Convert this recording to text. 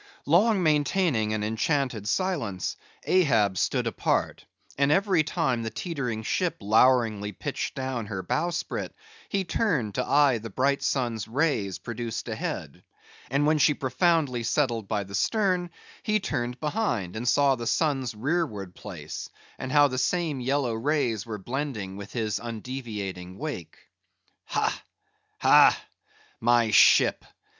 Long maintaining an enchanted silence, Ahab stood apart; and every time the tetering ship loweringly pitched down her bowsprit, he turned to eye the bright sun's rays produced ahead; and when she profoundly settled by the stern, he turned behind, and saw the sun's rearward place, and how the same yellow rays were blending with his undeviating wake. "Ha, ha, my ship!